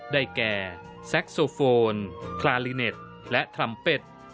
ได้แก่แซคโซโฟนพลาลิเน็ตและทรัมเป็ด